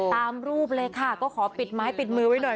ตามรูปเลยค่ะก็ขอปิดไม้ปิดมือไว้หน่อย